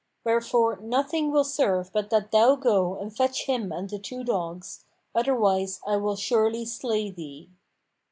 Wherefore nothing will serve but that thou go and fetch him and the two dogs; otherwise I will surely slay thee."